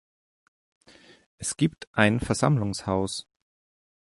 Es gibt ein Versammlungshaus.